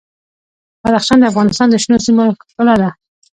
بدخشان د افغانستان د شنو سیمو ښکلا ده.